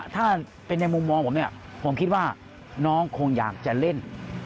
ถ้าเป็นในมุมมองผมเนี่ยผมคิดว่าน้องคงอยากจะเล่น